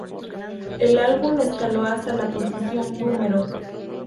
El álbum escaló hasta la posición No.